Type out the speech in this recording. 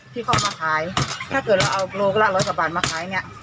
ที่เขามาขายถ้าเกิดเราเอาโลกละร้อยกว่าบาทมาขายเนี่ย